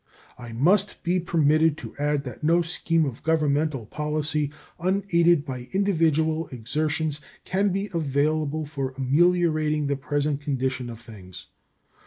I must be permitted to add that no scheme of governmental policy unaided by individual exertions can be available for ameliorating the present condition of things.